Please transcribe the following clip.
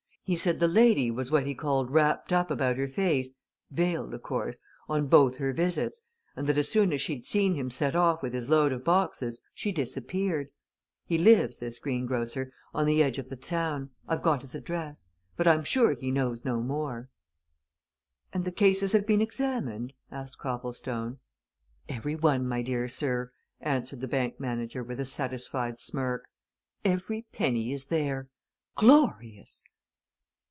He said the lady was what he called wrapped up about her face veiled, of course on both her visits, and that as soon as she'd seen him set off with his load of boxes she disappeared. He lives, this greengrocer, on the edge of the town I've got his address. But I'm sure he knows no more." "And the cases have been examined?" asked Copplestone. "Every one, my dear sir," answered the bank manager with a satisfied smirk. "Every penny is there! Glorious!"